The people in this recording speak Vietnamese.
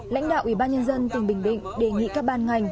lãnh đạo ủy ban nhân dân tỉnh bình định đề nghị các ban ngành